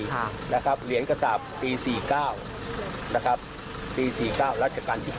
เหรียญกษาบปี๔๙ปี๔๙รัชกันที่๙